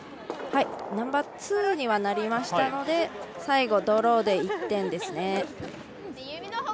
ナンバーツーにはなりましたので最後、ドローで１点ですね。